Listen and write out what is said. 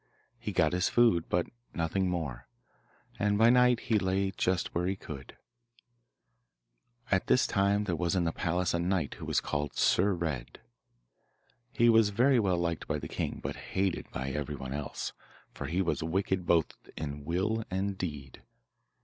He got his food, but nothing more, and by night he lay just where he could. At this time there was in the palace a knight who was called Sir Red. He was very well liked by the king, but hated by everyone else, for he was wicked both in will and deed.